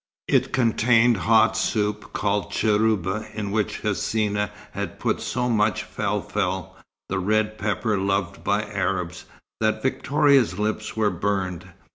It contained hot soup, called cheurba, in which Hsina had put so much fell fell, the red pepper loved by Arabs, that Victoria's lips were burned.